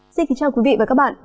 xin kính chào quý vị và các bạn